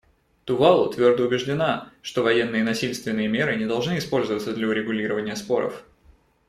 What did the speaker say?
Тувалу твердо убеждена, что военные и насильственные меры не должны использоваться для урегулирования споров.